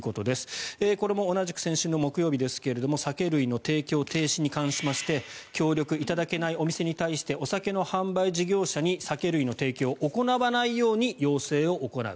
これも同じく先週の木曜日ですが酒類の提供停止に関して協力いただけないお店に関してお酒の販売事業者に酒類の提供を行わないように要請を行う。